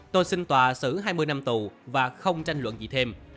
tôi xin tòa xử hai mươi năm tù và không tranh luận gì thêm